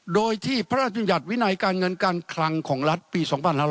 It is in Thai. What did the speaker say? โดยที่พระราชบัญญัติวินัยการเงินการคลังของรัฐปี๒๕๖๐